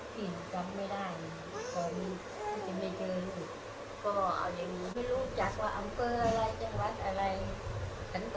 ฉันก็จำไม่ได้นะครับ